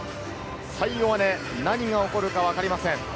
最後まで何が起こるかわかりません。